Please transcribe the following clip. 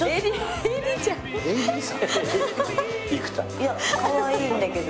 いやかわいいんだけど。